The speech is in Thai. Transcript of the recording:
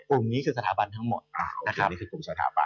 ปุ่มนี้คือสถาบันทั้งหมดนะครับ